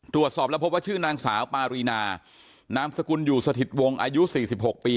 ตรวจสอบแล้วพบว่าชื่อนางสาวปารีนานามสกุลอยู่สถิตวงอายุ๔๖ปี